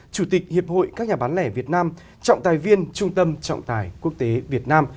chủ tịch hiệp hội các nhà bán lẻ việt nam trọng tài viên trung tâm trọng tài quốc tế việt nam